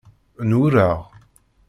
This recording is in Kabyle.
N wureɣ.